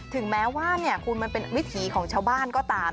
ถึงแม้ว่าคุณมันเป็นวิถีของชาวบ้านก็ตาม